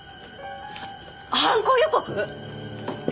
犯行予告！？